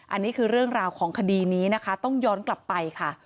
อันนี้คือเรื่องราวของคดีนี้นะคะต้องย้อนกลับไปค่ะ